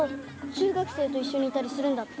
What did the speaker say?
中学生といっしょにいたりするんだって。